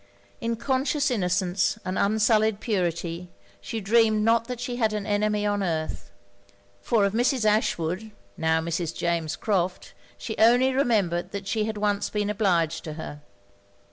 In conscious innocence and unsullied purity, she dreamed not that she had an enemy on earth; for of Mrs. Ashwood, now Mrs. James Crofts, she only remembered that she had once been obliged to her.